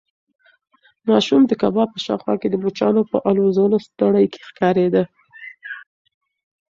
ماشوم د کباب په شاوخوا کې د مچانو په الوزولو ستړی ښکارېده.